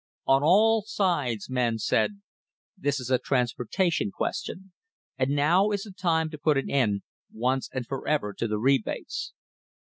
On all sides men said, This is a transportation question, and ; now is the time to put an end once and forever to the rebates.